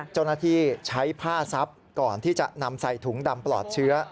เจ้าหน้าที่ใช้ผ้าซับก่อนที่จะนำใส่ถุงดำปลอดเชื้อ